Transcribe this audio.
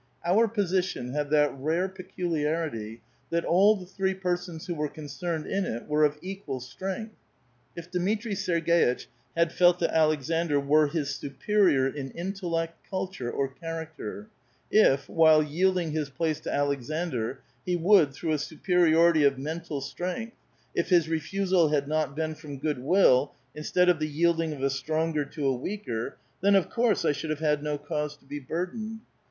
Our position had that rare peculiarity that all the three persons who were concerned in it were of equal strength. If Dmitri Sergeitch had felt that Aleksandr were his superior in intellect, culture, or character ; if, while yielding his place to Aleksandr, he would through a superi ority of mental strength ; if his refusal had not been from good will, instead of the yielding of a stronger t o a weaker, — then, of course, I should have had no cause to be burdened.